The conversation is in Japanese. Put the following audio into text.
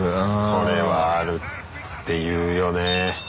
これはあるっていうよね。